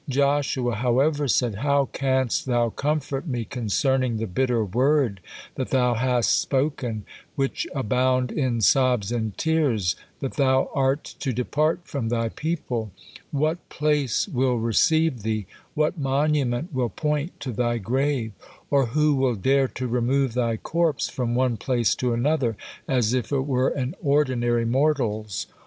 Joshua, however, said: "How canst thou comfort me concerning the bitter word that thou hast spoken, which abound in sobs and tears, that thou are to depart from thy people? What place will receive thee? What monument will point to thy grave? Or who will dare to remove thy corpse from one place to another as if it were an ordinary mortal's?